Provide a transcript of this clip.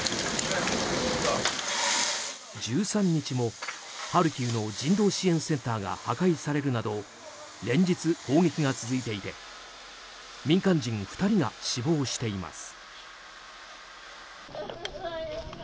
１３日もハルキウの人道支援センターが破壊されるなど連日、砲撃が続いていて民間人２人が死亡しています。